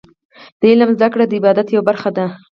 د علم زده کړه د عبادت یوه برخه ده.